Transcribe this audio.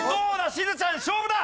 しずちゃん勝負だ！